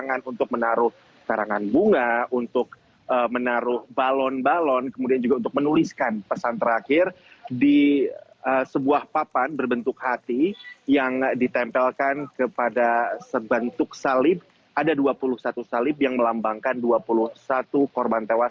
dan memang di sini ada kegiatan yang mungkin bisa jadi ada di belakang saya